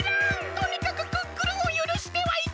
とにかくクックルンをゆるしてはいけないのだ！